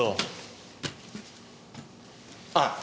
あっ。